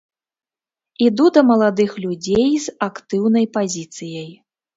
Іду да маладых людзей з актыўнай пазіцыяй.